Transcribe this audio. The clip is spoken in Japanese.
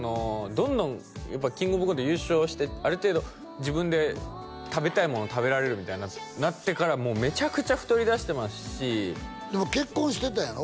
どんどんやっぱ「キングオブコント」優勝してある程度自分で食べたいもの食べられるみたいになってからめちゃくちゃ太りだしてますしでも結婚してたやろ？